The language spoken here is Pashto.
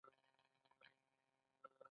د موضوع دقیق درک اسانه کوي.